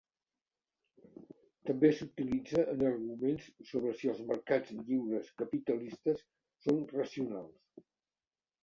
També s'utilitza en arguments sobre si els mercats lliures capitalistes són racionals.